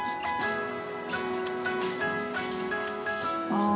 ああ。